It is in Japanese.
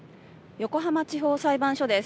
横浜地方裁判所です。